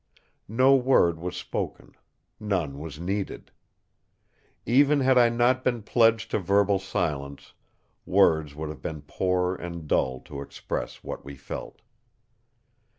No word was spoken; none was needed. Even had I not been pledged to verbal silence, words would have been poor and dull to express what we felt.